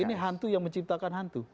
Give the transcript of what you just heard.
ini hantu yang menciptakan hantu